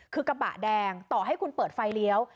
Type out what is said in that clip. คือกระบะแดงต่อให้คุณเปิดไฟเลี้ยว